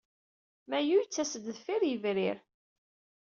Mayu yettas-d deffir yebrir.